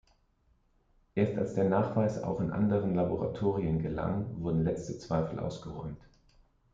Erst als der Nachweis auch in anderen Laboratorien gelang, wurden letzte Zweifel ausgeräumt.